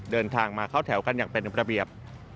เดินทางมาเข้าแถวกันอย่างเป็นระเบียบ